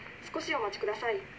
少しお待ちください